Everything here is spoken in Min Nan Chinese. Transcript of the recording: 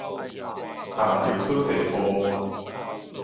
踏著好地步